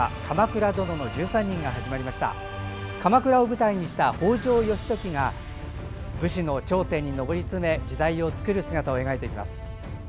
鎌倉を舞台にした北条義時が武士の頂点に上り詰め時代を作る姿を描いていきます。